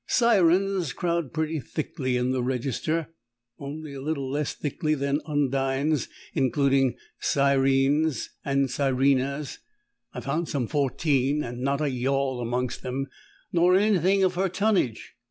Sirens crowd pretty thickly in the Register; only a little less thickly than Undines. Including Sirenes and Sirenas, I found some fourteen and not a yawl amongst them, nor anything of her tonnage.